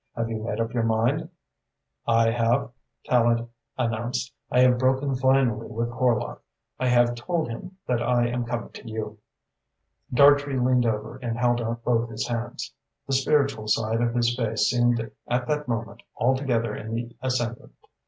Have you made up your mind?" "I have," Tallente announced. "I have broken finally with Horlock. I have told him that I am coming to you." Dartrey leaned over and held out both his hands. The spiritual side of his face seemed at that moment altogether in the ascendant.